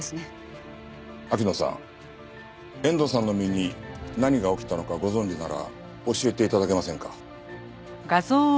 遠藤さんの身に何が起きたのかご存じなら教えて頂けませんか？